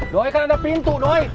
doi kan ada pintu doi